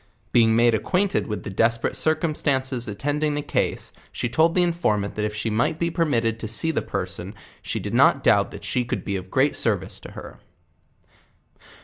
lieing made acquainted with the desper ate circumstance attending 1 the case, she told the informant that if she might he permitted to Fee the person, she did not doubt but that she should be of great service to her.